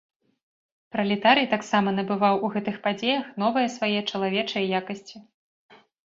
Пралетарый таксама набываў у гэтых падзеях новыя свае чалавечыя якасці.